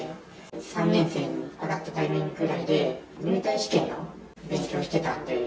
３年生に上がるタイミングぐらいで、入隊試験の勉強してたっていう。